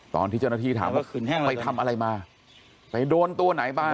ตอนที่เจ้าหน้าที่ถามว่าไปทำอะไรมาไปโดนตัวไหนมา